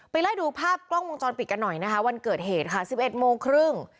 ไล่ดูภาพกล้องวงจรปิดกันหน่อยนะคะวันเกิดเหตุค่ะ๑๑โมงครึ่ง